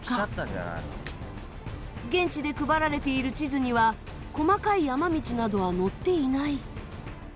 現地で配られている地図には細かい山道などは載っていない。